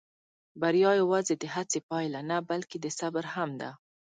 بریا یواځې د هڅې پایله نه، بلکې د صبر هم ده.